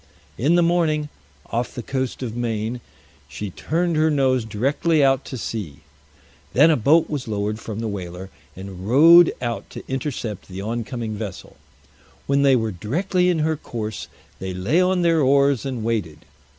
In the morning, off the coast of Maine, she turned her nose directly out to sea. Then a boat was lowered from the whaler, and rowed out to intercept the oncoming vessel. When they were directly in her course, they lay on their oars and waited.